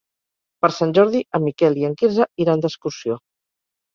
Per Sant Jordi en Miquel i en Quirze iran d'excursió.